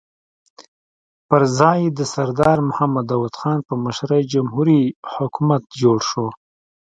پر ځای یې د سردار محمد داؤد خان په مشرۍ جمهوري حکومت جوړ شو.